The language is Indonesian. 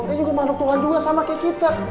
dia juga mandok tuhan juga sama kayak kita